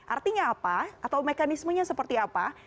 artinya apa atau mekanismenya seperti apa